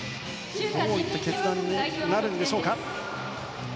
どういった決断になるんでしょうか。